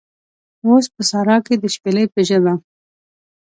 اوس په سارا کې د شپیلۍ په ژبه